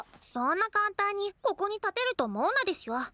そんな簡単にここに立てると思うなですよ。